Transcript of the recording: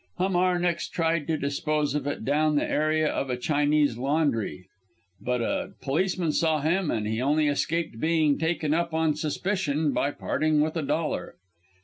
Hamar next tried to dispose of it down the area of a Chinese laundry; but a policeman saw him, and he only escaped being taken up on suspicion, by parting with a dollar.